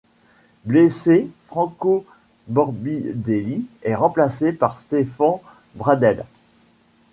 Blessé, Franco Morbidelli est remplacé par Stefan Bradl.